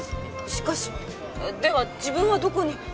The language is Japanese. しかしでは自分はどこに？